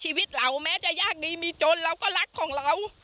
ชีวิตเราแม้จะยากดีมีจนเราก็รักของเรา